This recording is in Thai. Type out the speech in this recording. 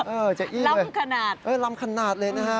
เออจ้ะอี้เลยลำขนาดเลยนะฮะ